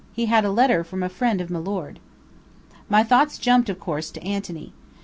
He had a letter from a friend of milord. My thoughts jumped, of course, to Anthony.